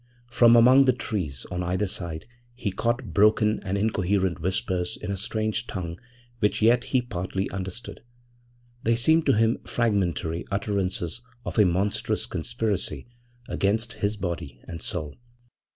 From among the trees on either side he caught broken and incoherent whispers in a strange tongue which yet he partly understood. They seemed to him fragmentary utterances of a monstrous conspiracy against his body and soul.